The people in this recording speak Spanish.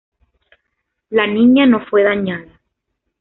La niña no fue dañada.